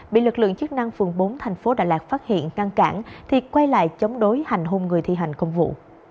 bị lực lượng chức năng phường bốn thành phố đà lạt phát hiện ngăn cản thì quay lại chống đối hành hung người thi hành công vụ